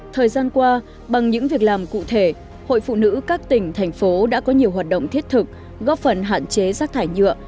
thời gian qua bằng những việc làm cụ thể hội phụ nữ các tỉnh thành phố đã có nhiều hoạt động thiết thực góp phần hạn chế rác thải nhựa